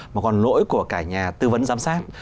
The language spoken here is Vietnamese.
mà còn lỗi của cả nhà tư vấn giám sát